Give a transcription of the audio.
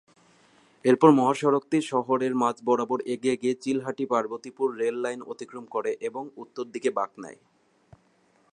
এরপর মহাসড়কটি শহরের মাঝ বরাবর এগিয়ে গিয়ে চিলাহাটি-পার্বতীপুর রেল লাইন অতিক্রম করে এবং উত্তর দিকে বাক নেয়।